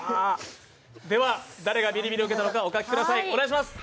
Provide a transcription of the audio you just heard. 誰がビリビリを受けたのかお書きください。